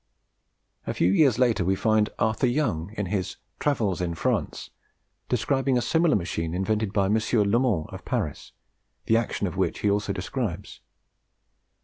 A few years later we find Arthur Young, in his Travels in France, describing a similar machine invented by a M. Lomond of Paris, the action of which he also describes.